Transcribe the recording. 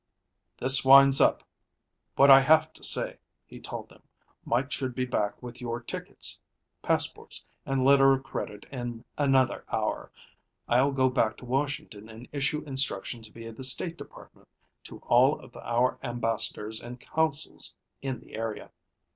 "This winds up what I have to say," he told them. "Mike should be back with your tickets, passports, and letter of credit in another hour. I'll go back to Washington and issue instructions via the State Department to all of our ambassadors and consuls in the area.